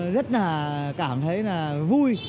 rất là cảm thấy là vui